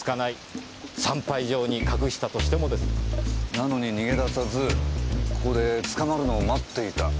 なのに逃げ出さずここで捕まるのを待っていた。